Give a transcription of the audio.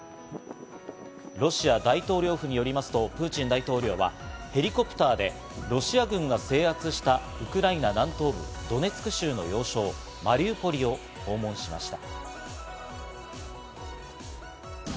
ロシア大統領府によりますとプーチン大統領は、ヘリコプターでロシア軍が制圧したウクライナ南東部ドネツク州の要衝・マリウポリを訪問しました。